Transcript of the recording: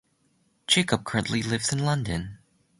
Jacob currently lives in London.